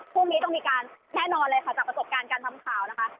พรุ่งนี้ต้องมีการแน่นอนเลยค่ะจากประสบการณ์การทำข่าวนะคะ